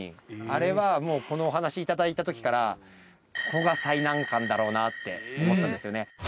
あれはもうこのお話いただいたときからここが最難関だろうなって思ったんですよね